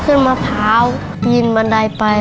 ขึ้นมาพร้าวขีบบันไดไป